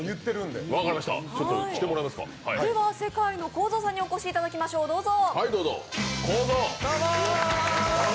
では世界のこーぞーさんにお越しいただきましょう、どうぞ。